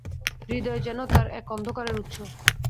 হৃদয় যেন তার এক অন্ধকারের উৎস।